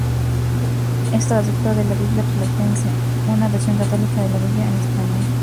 Es traductor de la "Biblia Platense", una versión católica de la Biblia en español.